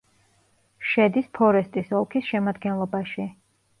შედის ფორესტის ოლქის შემადგენლობაში.